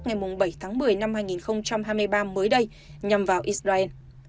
ngày bảy tháng một mươi năm hai nghìn hai mươi ba mới đây nhằm vào israel